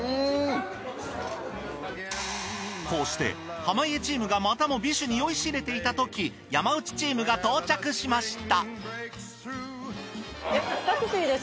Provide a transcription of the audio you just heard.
こうして濱家チームがまたも美酒に酔いしれていたとき山内チームが到着しました。